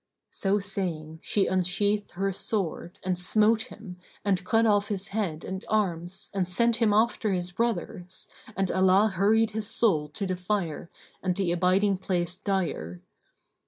So saying, she unsheathed her sword and smote him and cut off his head and arms and sent him after his brothers and Allah hurried his soul to the Fire and the abiding place dire.